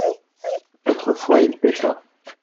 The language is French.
autrefois il pêcha.